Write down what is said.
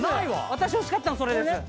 私欲しかったのそれです。